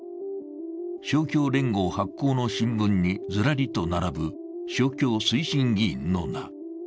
勝共連合発行の新聞にずらりと並ぶ勝共推進議員の名。